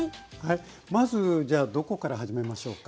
まずじゃあどこから始めましょうか。